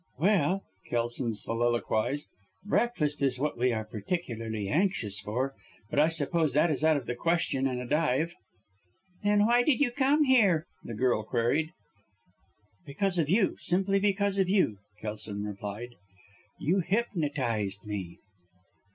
"Well!" Kelson soliloquized; "breakfast is what we are particularly anxious for but I suppose that is out of the question in a dive!" "Then why did you come here?" the girl queried. "Because of you! Simply because of you," Kelson replied. "You hypnotized me!"